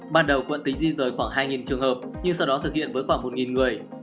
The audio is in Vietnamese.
ban đầu quận tỉnh di rời khoảng hai trường hợp nhưng sau đó thực hiện với khoảng một người